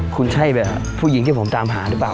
คุณใช่แบบผู้หญิงที่ผมตามหาหรือเปล่า